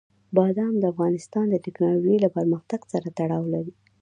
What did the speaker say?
بادام د افغانستان د تکنالوژۍ له پرمختګ سره تړاو لري.